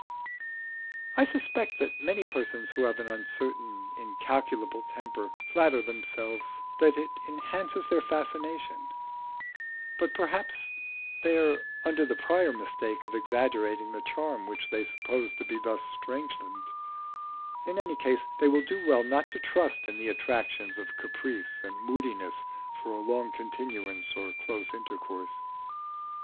I suspect that many persons who have an uncertain, incalculable temper flatter themselves that it enhances their fascination; but perhaps they are under the prior mistake of exaggerating the charm which they suppose to be thus strengthened; in any case they will do well not to trust in the attractions of caprice and moodiness for a long continuance or for close intercourse.